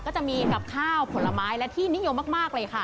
ก็จะมีกับข้าวผลไม้และที่นิยมมากเลยค่ะ